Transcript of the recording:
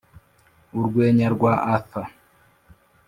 'urwenya rwa arthur